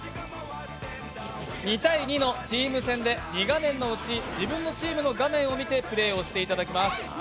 ２対２のチーム戦で、２画面のうち自分のチームの画面を見てプレーをしていただきます。